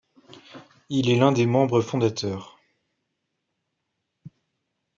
Il est l'un des membres fondateurs.